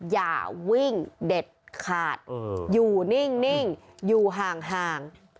อย่าวิ่งเด็ดขาดอยู่นิ่งอยู่ห่าง